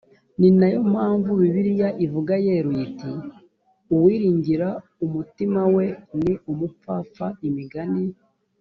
ni na yo mpamvu bibiliya ivuga yeruye iti uwiringira umutima we ni umupfapfa imigani